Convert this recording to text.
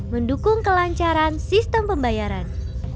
mendukung kelancaran sistem pembayaran